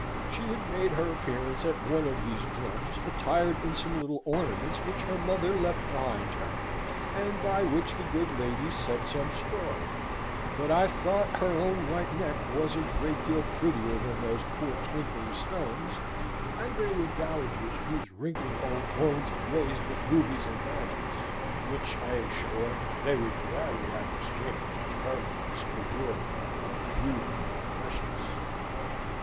She had made her appearance at one of these drums, attired in some little ornaments which her mother left behind her, and by which the good lady set some store; but I thought her own white neck was a great deal prettier than these poor twinkling stones; and there were dowagers, whose wrinkled old bones blazed with rubies and diamonds, which, I am sure, they would gladly have exchanged for her modest parure of beauty and freshness.